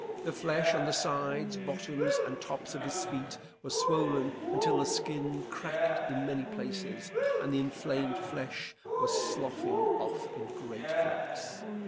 The flesh on the sides, bottoms, and tops of his feet was swollen until the skin cracked in many places, and the inflamed flesh was sloughing off in great flakes.